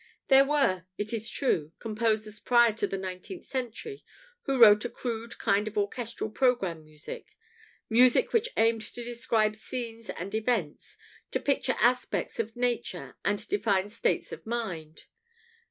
There were, it is true, composers prior to the nineteenth century who wrote a crude kind of orchestral programme music music which aimed to describe scenes and events, to picture aspects of nature and definite states of mind.